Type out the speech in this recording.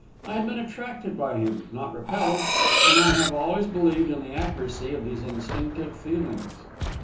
I had been attracted by him, not repelled, and I have always believed in the accuracy of these instinctive feelings.